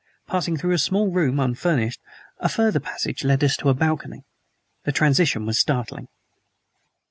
Passing through a small room, unfurnished, a farther passage led us to a balcony. The transition was startling.